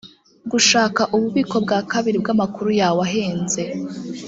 gushaka ububiko bwa kabiri bw’amakuru yawe ahenze